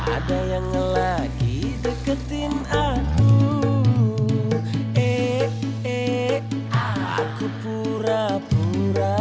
akhirnya kapok juga dia